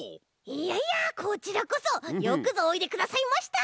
いやいやこちらこそよくぞおいでくださいました！